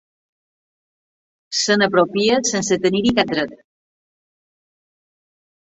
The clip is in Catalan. Se n'apropia sense tenir-hi cap dret.